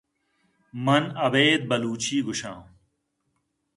من ابید بلوچی گوش آں۔